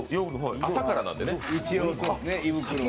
朝からなんでね。